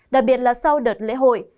đặc biệt là sau đợt lễ hội